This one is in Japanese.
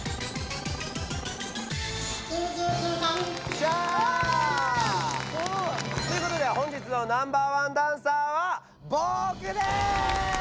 しゃ！ということで本日のナンバーワンダンサーはボクです！